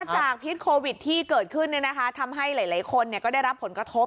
จากวันวันโควิดที่เกิดขึ้นเลยนะคะควรทำให้หลายหลายคนเนี่ยได้รับผลกระทบ